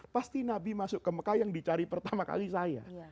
pasti nabi masuk ke mekah yang dicari pertama kali saya